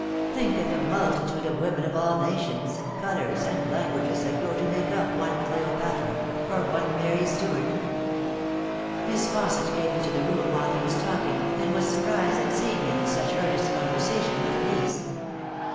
Think of the multitude of women of all nations, colours, and languages that go to make up one Cleopatra or one Mary Stuart." Miss Fausset came into the room while he was talking, and was surprised at Beeing him in such earnest conversation with her niece.